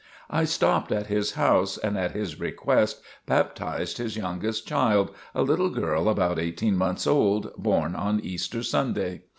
I stopped at his house and at his request baptized his youngest child, a little girl about eighteen months old, born on Easter Sunday.